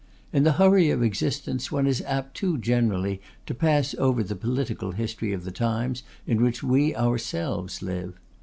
In the hurry of existence one is apt too generally to pass over the political history of the times in which we ourselves live.